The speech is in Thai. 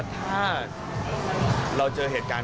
พอแล้ว